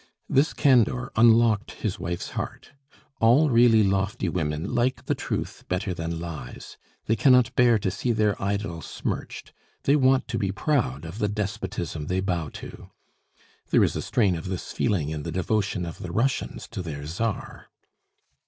This candor unlocked his wife's heart. All really lofty women like the truth better than lies. They cannot bear to see their idol smirched; they want to be proud of the despotism they bow to. There is a strain of this feeling in the devotion of the Russians to their Czar.